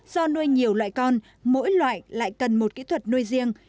do nuôi nhiều loại con mỗi loại lại cần một kỹ thuật nuôi riêng